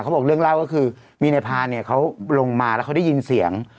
เค้าบอกเรื่องราวก็คือมีนายภาเนี่ยเค้าลงมาแล้วเค้าได้ยินเสียง